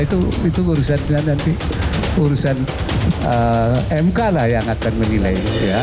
itu urusan mk lah yang akan menilai